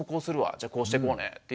じゃあこうしてこうね」っていう。